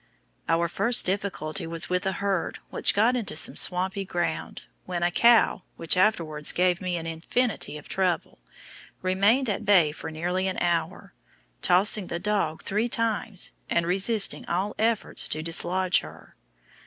Our first difficulty was with a herd which got into some swampy ground, when a cow, which afterwards gave me an infinity of trouble, remained at bay for nearly an hour, tossing the dog three times, and resisting all efforts to dislodge her.